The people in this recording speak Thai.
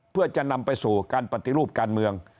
เพื่อจะนำไปสู่การปฏิรูปการเมือง